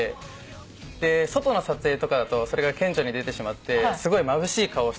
外の撮影とかだとそれが顕著に出てしまってすごいまぶしい顔をしてしまうんですね。